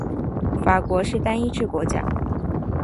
法国是单一制国家。